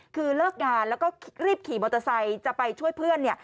คือเลิกงานแล้วก็รีบขี่มอเตอร์ไซค์จะไปช่วยเพื่อน